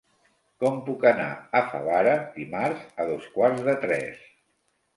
Com puc anar a Favara dimarts a dos quarts de tres?